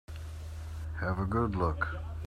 Have a good look.